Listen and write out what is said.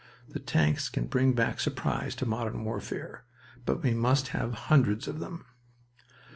The tanks can bring back surprise to modern warfare, but we must have hundreds of them."